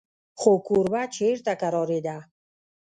خو کوربه چېرته کرارېده.